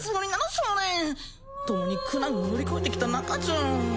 少年共に苦難を乗り越えてきた仲じゃん